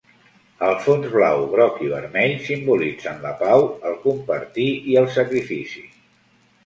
El fons blau, groc i vermell simbolitzen la Pau, el Compartir i el Sacrifici.